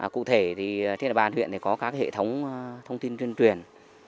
cụ thể thì trên địa bàn huyện có các hệ thống thông tin truyền truyền